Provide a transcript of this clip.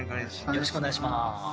よろしくお願いします